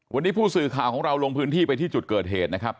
วันนี้ผู้สื่อข่าวของเราลงพื้นที่ไปที่จุดเกิดเหตุนะครับ